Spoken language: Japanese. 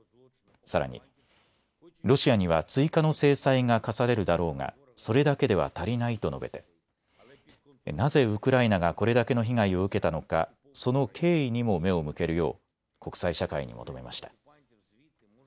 さらに、ロシアには追加の制裁が科されるだろうが、それだけでは足りないと述べてなぜウクライナがこれだけの被害を受けたのか、その経緯にも目を向けるよう国際社会に求めました。